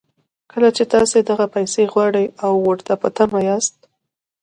کله چې تاسې دغه پيسې غواړئ او ورته په تمه ياست.